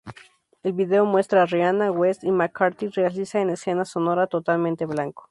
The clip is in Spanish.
El video muestra a Rihanna, West y McCartney realiza en escena sonora totalmente blanco.